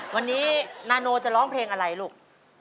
วันนี้นาโนจะร้องเพลงอะไรลูก